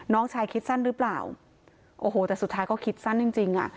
น้องชายคิดสั้นหรือเปล่าโอ้โหแต่สุดท้ายก็คิดสั้นจริงจริงอ่ะ